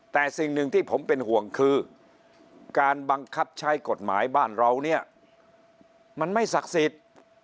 แต่สิ่งหนึ่งที่ผมเป็นห่วงคือการบังคับใช้กฎหมายบ้านเราเนี่ยมันไม่ศักดิ์สิทธิ์